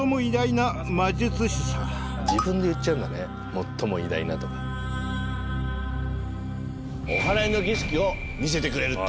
「最も偉大な」とか。おはらいの儀式を見せてくれるって。